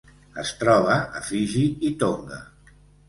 Es troba a Fiji i Tonga.